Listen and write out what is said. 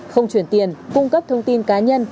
không chuyển tiền cung cấp thông tin cá nhân